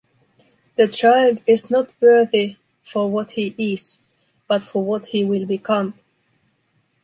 The child is not worthy for what he is, but for what he will become.